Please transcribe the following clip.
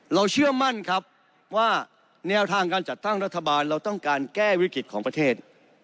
เชื่อมั่นครับว่าแนวทางการจัดตั้งรัฐบาลเราต้องการแก้วิกฤตของประเทศ